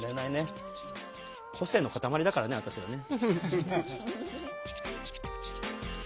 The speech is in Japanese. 個性の塊だからね私らね。